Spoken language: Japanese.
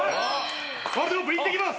ワールドカップ行ってきます。